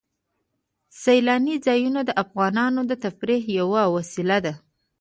سیلانی ځایونه د افغانانو د تفریح یوه وسیله ده.